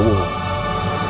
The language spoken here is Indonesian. jangan menyebar fitnah